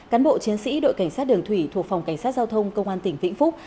cán bộ chiến sĩ đội cảnh sát đường thủy thuộc phòng cảnh sát giao thông công an tỉnh vĩnh phúc